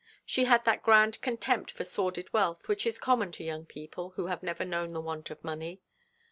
She had that grand contempt for sordid wealth which is common to young people who have never known the want of money.